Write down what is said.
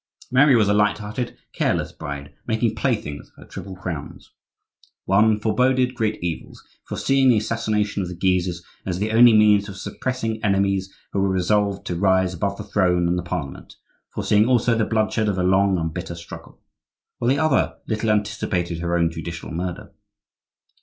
Mary was a light hearted, careless bride, making playthings of her triple crowns. One foreboded great evils,—foreseeing the assassination of the Guises as the only means of suppressing enemies who were resolved to rise above the Throne and the Parliament; foreseeing also the bloodshed of a long and bitter struggle; while the other little anticipated her own judicial murder.